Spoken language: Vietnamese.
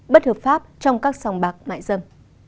bất hợp pháp trong các sòng bạc mại dâm